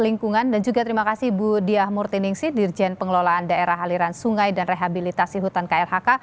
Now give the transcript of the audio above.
lingkungan dan juga terima kasih bu diah murtiningsi dirjen pengelolaan daerah aliran sungai dan rehabilitasi hutan klhk